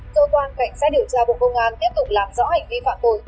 cơ quan cảnh sát điều tra bộ công an tiếp tục làm rõ hành vi phạm tội